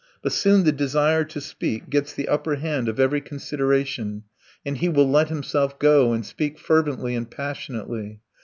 But soon the desire to speak gets the upper hand of every consideration, and he will let himself go and speak fervently and passionately.